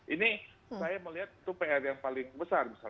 ini saya melihat itu pr yang paling besar